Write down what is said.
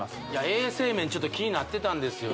衛生面ちょっと気になってたんですよ